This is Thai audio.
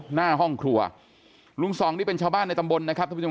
หน้าห้องครัวลุงสองนี่เป็นชาวบ้านในตำบลนะครับท่านผู้ชม